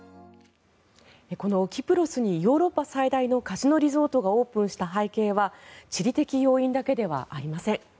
このキプロスにヨーロッパ最大のカジノリゾートがオープンした背景は地理的要因だけではありません。